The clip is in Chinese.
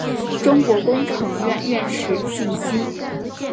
中国工程院院士信息